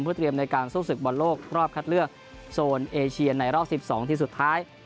เพื่อเตรียมในการสู้ศึกบอลโลกรอบคัดเลือกโซนเอเชียในรอบ๑๒ทีมสุดท้าย